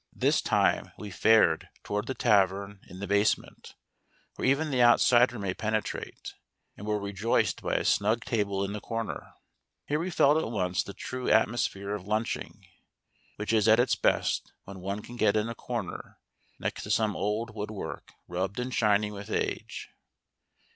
This time we fared toward the tavern in the basement, where even the outsider may penetrate, and were rejoiced by a snug table in the corner. Here we felt at once the true atmosphere of lunching, which is at its best when one can get in a corner, next to some old woodwork rubbed and shiny with age.